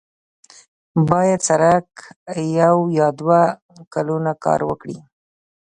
باید سړک یو یا دوه کلونه کار ورکړي.